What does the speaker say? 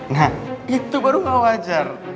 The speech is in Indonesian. nah itu baru nggak wajar